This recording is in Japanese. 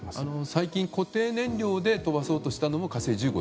最近、固定燃料で飛ばそうとしたのも「火星１５」？